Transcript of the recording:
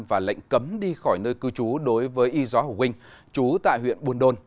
và lệnh cấm đi khỏi nơi cư trú đối với y gió hồ quynh chú tại huyện buồn đôn